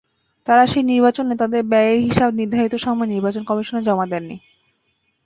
তাঁরা সেই নির্বাচনে তাঁদের ব্যয়ের হিসাব নির্ধারিত সময়ে নির্বাচন কমিশনে জমা দেননি।